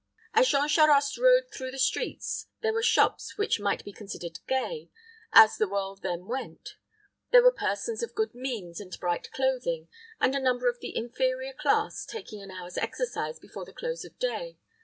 As Jean Charost rode along through the streets, there were shops which might be considered gay, as the world then went; there were persons of good means and bright clothing, and a number of the inferior class taking an hour's exercise before the close of day.